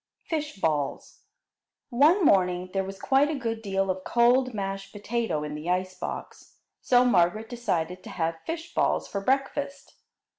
Fish balls One morning there was quite a good deal of cold mashed potato in the ice box, so Margaret decided to have fish balls for breakfast.